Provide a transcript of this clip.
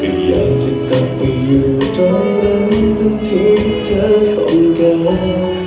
อยากจะกลับไปอยู่ตรงนั้นทั้งที่เธอต้องการ